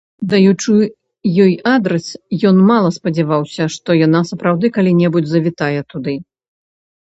Даючы ёй адрас, ён мала спадзяваўся, што яна сапраўды калі-небудзь завітае туды.